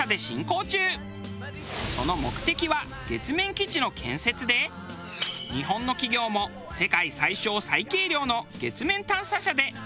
その目的は月面基地の建設で日本の企業も世界最小最軽量の月面探査車で参加予定。